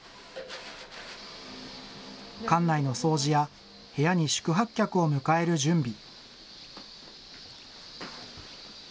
館内の掃除や、部屋に宿泊客を迎える準備。